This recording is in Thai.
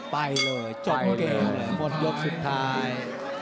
ไปเลยจบเกมเลยหมดยกสุดท้าย